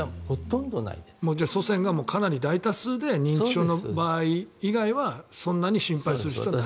祖先がかなり大多数で認知症の場合以外はそんなに心配する必要はないと。